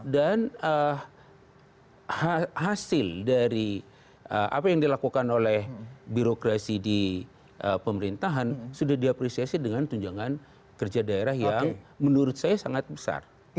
dan hasil dari apa yang dilakukan oleh birokrasi di pemerintahan sudah diapresiasi dengan tunjangan kerja daerah yang menurut saya sangat besar